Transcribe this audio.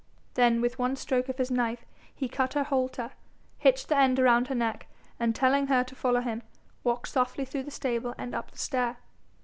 Then with one stroke of his knife he cut her halter, hitched the end round her neck, and telling her to follow him, walked softly through the stable and up the stair.